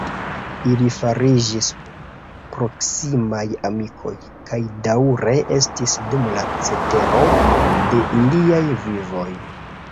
Ili fariĝis proksimaj amikoj, kaj daŭre estis dum la cetero de iliaj vivoj.